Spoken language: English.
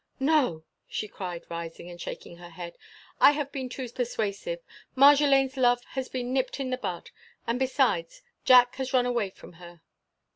"No!" she cried, rising, and shaking her head. "I have been too persuasive. Marjolaine's love has been nipped in the bud. And besides, Jack has run away from her."